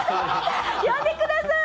呼んでください！